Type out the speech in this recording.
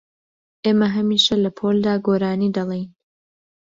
ئێمە هەمیشە لە پۆلدا گۆرانی دەڵێین.